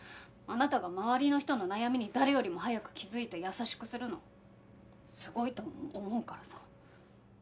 あなたが周りの人の悩みに誰よりも早く気づいて優しくするのすごいと思うからさ。